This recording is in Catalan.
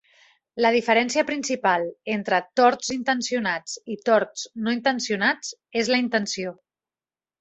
La diferència principal entre torts intencionats i torts no intencionats és la intenció.